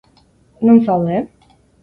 Non zaude?